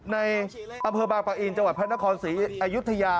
ในอำเภอบางปะอินจังหวัดพระนครศรีอายุทยา